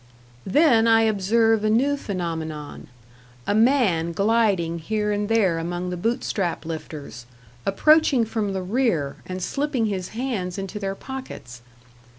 Then I observe a new phenomenon: a man gliding here and there among the bootstrap lifters, approaching from the rear and slipping his hands into their pockets.